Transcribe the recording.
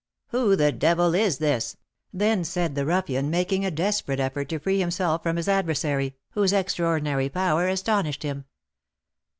"Who the devil is this?" then said the ruffian, making a desperate effort to free himself from his adversary, whose extraordinary power astonished him.